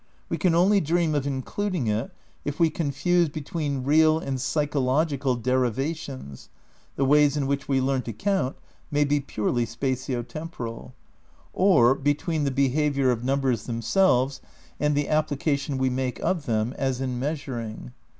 We can only dream of in 240 THE NEW IDEALISM vi eluding it if we confuse between real and psychological derivations (the ways in which we learn to count may be purely spatio temporal), or between the behaviour of numbers themselves and the application we make of them, as in measuring.